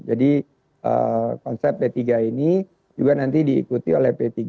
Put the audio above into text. jadi konsep p tiga ini juga nanti diikuti oleh p tiga